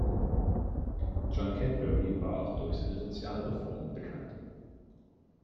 John Cadbury war auch durch seine Sozialreformen bekannt.